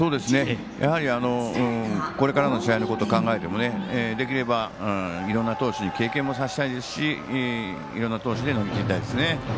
やはりこれからの試合のこと考えてもできればいろんな投手に経験もさせたいですしいろんな投手で乗り切りたいですね。